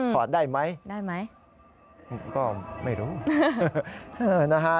ถอดได้ไหมได้ไหมก็ไม่รู้นะฮะ